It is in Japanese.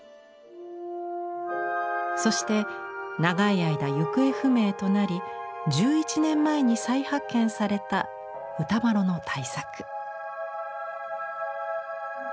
そして長い間行方不明となり１１年前に再発見された歌麿の大作。